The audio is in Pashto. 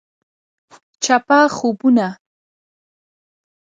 چپه خوبونه …